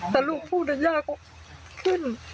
แต่ลูกพูดยากก็ขึ้น